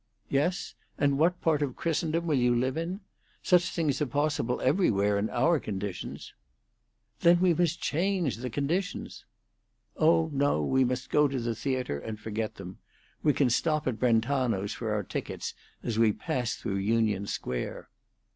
"Yes? And what part of Christendom will you live in? Such things are possible everywhere in our conditions." "Then we must change the conditions " "Oh no; we must go to the theatre and forget them. We can stop at Brentano's for our tickets as we pass through Union Square."